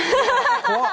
怖っ！